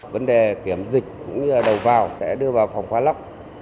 vấn đề kiểm dịch cũng như đầu vào sẽ đưa vào phòng phá lắp